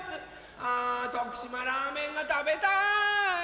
あ徳島ラーメンがたべたい！